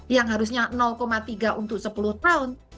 yang harusnya tiga untuk sepuluh tahun